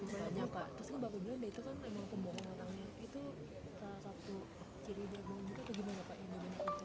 itu salah satu ciri dari bapak